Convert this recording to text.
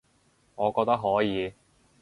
我覺得可以